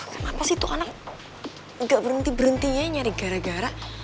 kenapa sih itu anak nggak berhenti berhentinya nyari gara gara